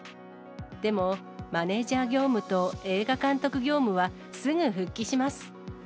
でも、マネージャー業務と映画監督業務はすぐ復帰します。